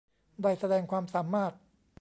ได้แสดงความสามารถ